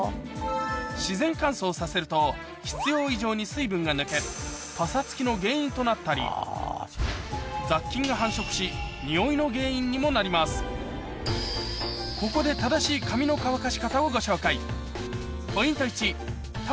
自然乾燥させると必要以上に水分が抜けパサつきの原因となったり雑菌が繁殖しここで正しい髪の乾かし方をご紹介